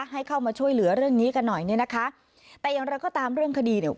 ให้เข้ามาช่วยเหลือเรื่องนี้กันหน่อยเนี่ยนะคะแต่อย่างไรก็ตามเรื่องคดีเนี่ย